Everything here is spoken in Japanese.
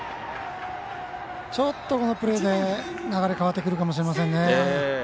ちょっとこのプレーで流れが変わるかもしれません。